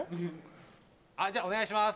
あっじゃあお願いします